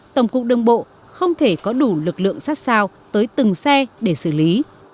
tổng cục đường bộ không thể có đủ lực lượng sát sao tới từng xe để xử lý